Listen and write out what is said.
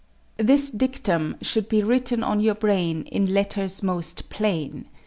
This dictum should be written on your brain in letters most plain.